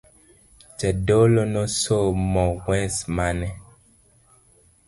Jadolo nosomo wes mane.